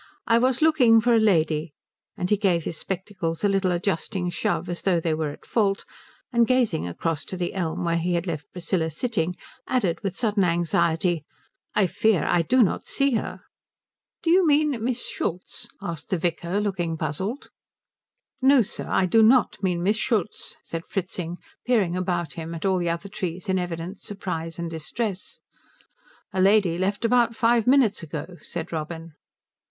I was looking for a lady, and" he gave his spectacles a little adjusting shove as though they were in fault, and gazing across to the elm where he had left Priscilla sitting added with sudden anxiety "I fear I do not see her." "Do you mean Miss Schultz?" asked the vicar, looking puzzled. "No, sir, I do not mean Miss Schultz," said Fritzing, peering about him at all the other trees in evident surprise and distress. "A lady left about five minutes ago," said Robin.